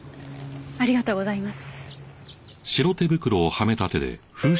ありがとうございます。